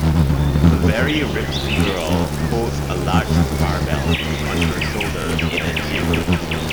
A very ripped girl holds a large barbell on her shoulder in a gym.